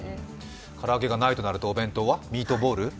唐揚げがないとなると、お弁当はミートボール？